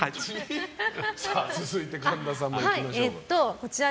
続いて、神田さんもいきましょう。